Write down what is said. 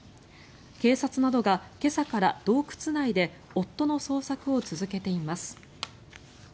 警察などが今朝から洞窟内で夫の捜索を続けています。